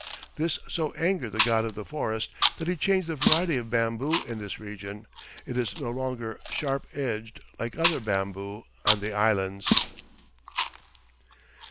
This so angered the god of the forest that he changed the variety of bamboo in this region; it is no longer sharp edged like other bamboo on the Islands.